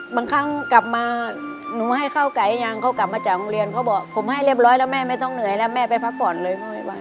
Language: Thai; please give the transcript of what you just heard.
บางครั้งกลับมาหนูให้ข้าวไก่ยังเขากลับมาจากโรงเรียนเขาบอกผมให้เรียบร้อยแล้วแม่ไม่ต้องเหนื่อยแล้วแม่ไปพักผ่อนเลยเขาไม่ไหว